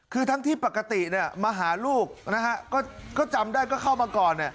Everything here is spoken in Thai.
คือทั้งที่ปกติมาหาลูกนะฮะก็จำได้ก็เข้ามาก่อน